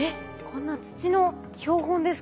こんな土の標本ですか？